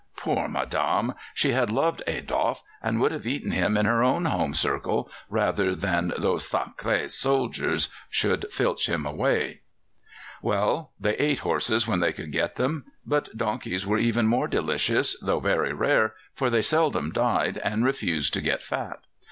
Poor madame! She had loved Adolfe, and would have eaten him in her own home circle rather than that those sacrés soldiers should filch him away. Well, they ate horses, when they could get them; but donkeys were even more delicious, though very rare, for they seldom died, and refused to get fat.